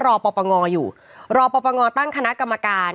ปปงอยู่รอปปงตั้งคณะกรรมการ